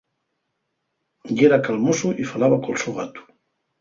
Yera calmosu y falaba col so gatu.